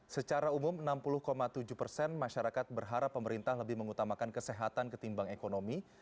secara umum enam puluh tujuh persen masyarakat berharap pemerintah lebih mengutamakan kesehatan ketimbang ekonomi